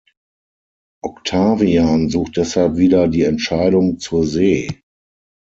Octavian sucht deshalb wieder die Entscheidung zur See.